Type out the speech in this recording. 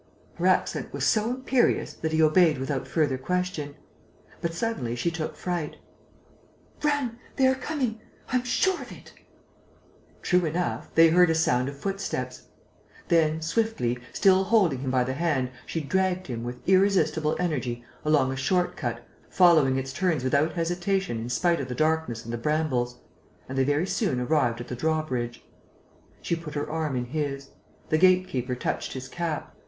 Her accent was so imperious that he obeyed without further question. But suddenly she took fright: "Run!... They are coming!... I am sure of it!..." True enough, they heard a sound of footsteps. Then, swiftly, still holding him by the hand, she dragged him, with irresistible energy, along a shortcut, following its turns without hesitation in spite of the darkness and the brambles. And they very soon arrived at the drawbridge. She put her arm in his. The gate keeper touched his cap.